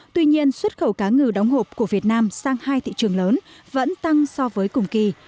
tuy nhiên xuất khẩu cá ngừ đóng hộp của việt nam sang hai thị trường lớn vẫn tăng so với cùng kỳ